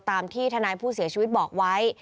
ตามที่ทนายผู้เสียชีวิตบอกไว้